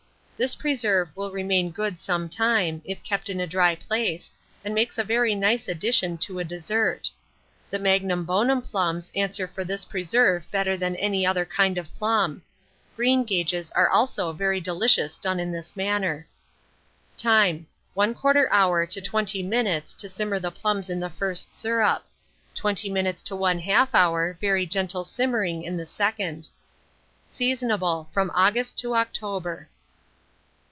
This preserve will remain good some time, if kept in a dry place, and makes a very nice addition to a dessert. The magnum bonum plums answer for this preserve better than any other kind of plum. Greengages are also very delicious done in this manner. Time. 1/4 hour to 20 minutes to simmer the plums in the first syrup; 20 minutes to 1/2 hour very gentle simmering in the second. Seasonable from August to October.